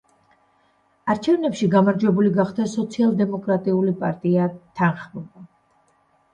არჩევნებში გამარჯვებული გახდა სოციალ-დემოკრატიული პარტია „თანხმობა“.